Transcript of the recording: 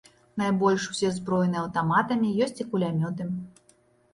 Найбольш усе ўзброены аўтаматамі, ёсць і кулямёты.